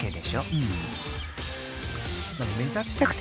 ［うん。